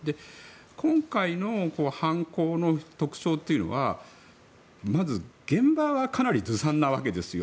今回の犯行の特徴というのはまず現場はかなりずさんなわけですよ。